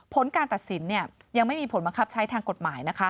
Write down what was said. ผลการตัดสินยังไม่มีผลบังคับใช้ทางกฎหมายนะคะ